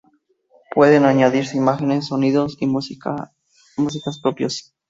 Pueden añadirse imágenes, sonidos y músicas propios.